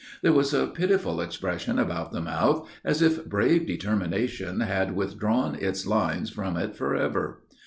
There was a pitiful expression about the mouth, as if brave determination had withdrawn its lines from it forever.